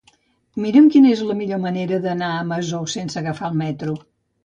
Mira'm quina és la millor manera d'anar a la Masó sense agafar el metro.